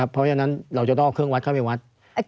เพราะฉะนั้นเราจะต้องเอาเครื่องวัดเข้าไปวัด